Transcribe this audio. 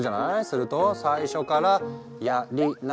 すると最初からや・り・な